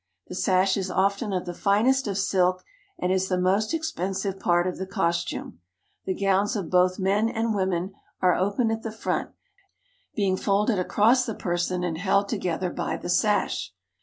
The sash is often of the finest of silk, and is the most expensive part of the costume. The gowns of both men and women are open at the front, being folded across the person and held together by the sash.